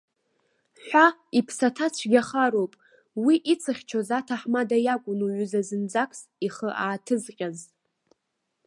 Ҳәа, иԥсаҭа цәгьахароуп, уи ицыхьчоз аҭаҳмада иакәын уҩыза зынӡаск ихы ааҭызҟьаз.